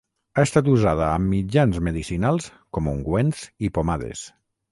Ha estat usada amb mitjans medicinals com ungüents i pomades.